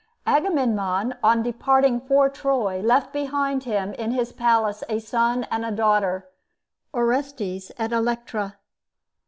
Agamemnon on departing for Troy left behind him in his palace a son and a daughter, Orestes and Electra.